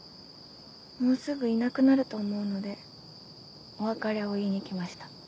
もうすぐいなくなると思うのでお別れを言いに来ました。